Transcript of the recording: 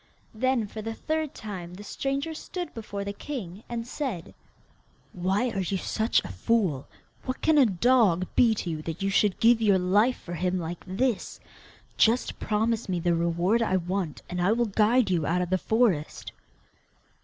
Then for the third time the stranger stood before the king, and said: 'Why are you such a fool? What can a dog be to you, that you should give your life for him like this? Just promise me the reward I want, and I will guide you out of the forest.